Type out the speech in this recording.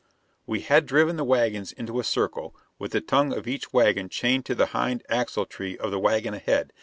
We had driven the wagons into a circle, with the tongue of each wagon chained to the hind axletree of the wagon ahead.